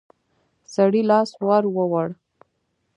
سړي لاس ور ووړ.